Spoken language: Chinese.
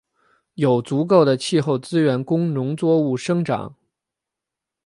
有足够的气候资源供农作物生长。